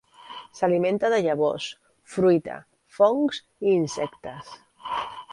S'alimenta de llavors, fruita, fongs i insectes.